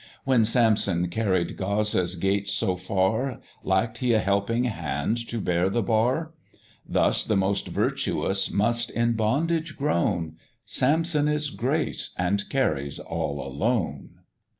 When Samson carried Gaza's gates so far, Lack'd he a helping hand to bear the bar? Thus the most virtuous must in bondage groan: Samson is grace, and carries all alone.